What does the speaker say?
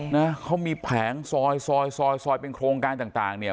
นะเขามีแผงซอยซอยซอยเป็นโครงการต่างต่างเนี่ย